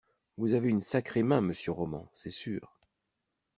Vous avez une sacrée main monsieur Roman, c’est sûr.